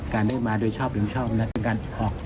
การได้มาโดยชอบหรือไม่ชอบและการออกเอกสารสิทธิ์